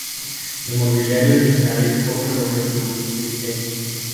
Del mobiliario original es poco lo que subsiste.